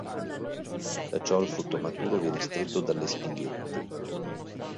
Da ciò il frutto maturo viene stretto dalle spighette.